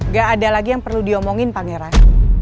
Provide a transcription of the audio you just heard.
gak ada lagi yang perlu diomongin pangeran